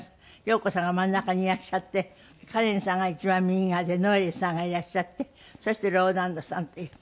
洋子さんが真ん中にいらっしゃってかれんさんが一番右側でノエルさんがいらっしゃってそしてローランドさんっていう。